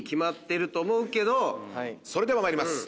それでは参ります。